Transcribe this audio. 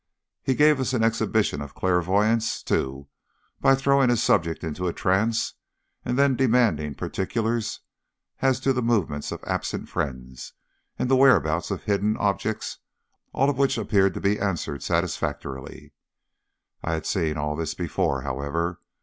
He gave us an exhibition of clairvoyance too, throwing his subject into a trance, and then demanding particulars as to the movements of absent friends, and the whereabouts of hidden objects all of which appeared to be answered satisfactorily. I had seen all this before, however.